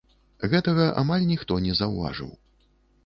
Гэтага амаль ніхто не заўважыў.